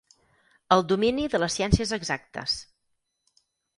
El domini de les ciències exactes.